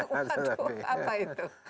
waduh apa itu